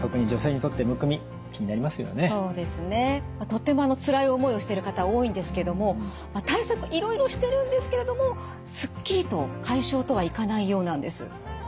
とってもつらい思いをしている方多いんですけども対策いろいろしてるんですけれどもスッキリと解消とはいかないようなんです。